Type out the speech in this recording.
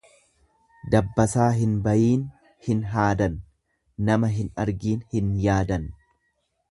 Dabbasaa hin bayiin hin haadan nama hin argiin hin yaadan.